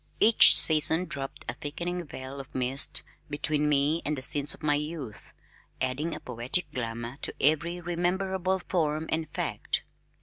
Each season dropped a thickening veil of mist between me and the scenes of my youth, adding a poetic glamour to every rememberable form and fact.